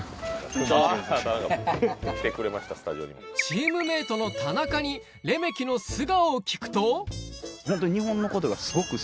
チームメートの田中にレメキの素顔を聞くとホントに。